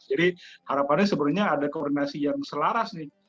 jadi harapannya sebenarnya ada koordinasi yang selaras nih